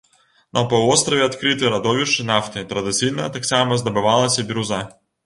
На паўвостраве адкрыты радовішчы нафты, традыцыйна таксама здабывалася біруза.